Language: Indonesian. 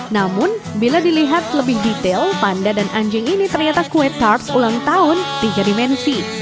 namun bila dilihat lebih detail panda dan anjing ini ternyata kue tarts ulang tahun tiga dimensi